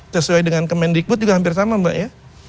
sesuai dengan kemendikbud juga hampir sama mbak ya